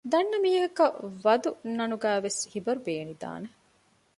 ދަންނަ މީހަކަށް ވަދު ނަނުގައިވެސް ހިބަރު ބޭނިދާނެ